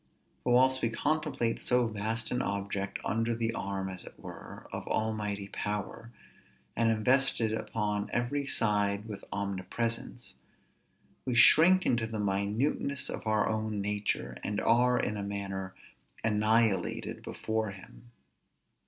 But whilst we contemplate so vast an object, under the arm, as it were, of almighty power, and invested upon every side with omnipresence, we shrink into the minuteness of our own nature, and are, in a manner, annihilated before him.